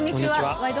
「ワイド！